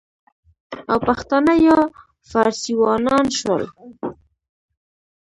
او پښتانه یا فارسیوانان شول،